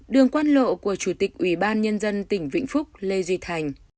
đường quan lộ của chủ tịch ủy ban nhân dân tỉnh vĩnh phúc lê duy thành